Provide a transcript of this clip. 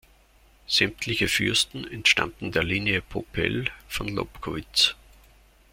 Sämtliche Fürsten entstammen der Linie Popel von Lobkowitz.